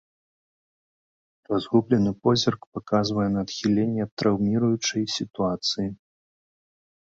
Разгублены позірк паказвае на адхіленне ад траўміруючай сітуацыі.